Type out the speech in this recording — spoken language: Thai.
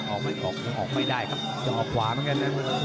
ออกไม่ได้ครับจะออกขวาเหมือนกันนะ